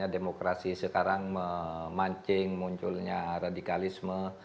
demokrasi sekarang memancing munculnya radikalisme